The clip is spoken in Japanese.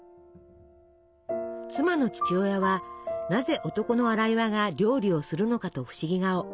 妻の父親はなぜ男の荒岩が料理をするのかと不思議顔。